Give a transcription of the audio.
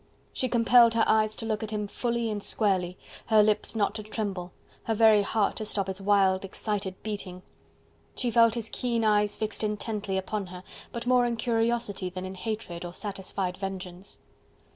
She compelled her eyes to look at him fully and squarely, her lips not to tremble, her very heart to stop its wild, excited beating. She felt his keen eyes fixed intently upon her, but more in curiosity than in hatred or satisfied vengeance.